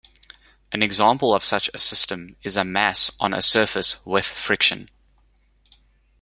An example of such a system is a mass on a surface with friction.